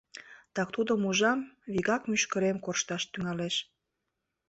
Так тудым ужам — вигак мӱшкырем коршташ тӱҥалеш».